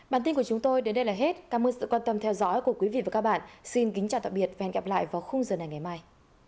bản tin của chúng tôi đến đây là hết cảm ơn sự quan tâm theo dõi của quý vị và các bạn xin kính chào tạm biệt và hẹn gặp lại vào khung giờ này ngày mai